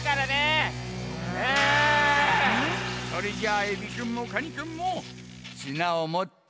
それじゃエビくんもカニくんもつなをもって。